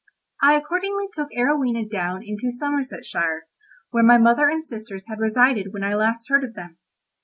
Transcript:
I accordingly took Arowhena down into Somersetshire, where my mother and sisters had resided when I last heard of them.